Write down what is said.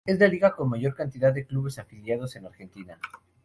Es la liga con mayor cantidad de clubes afiliados en Argentina.